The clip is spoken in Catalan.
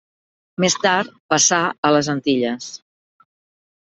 Més tard passà a les Antilles.